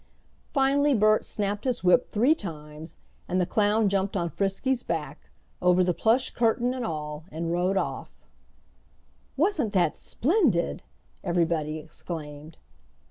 Finally Bert snapped his whip three times, and the clown jumped on Frisky's back, over the plush curtain and all, and rode off. "Wasn't that splendid!" everybody exclaimed.